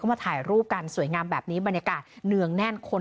มาถ่ายรูปกันสวยงามแบบนี้บรรยากาศเนืองแน่นคน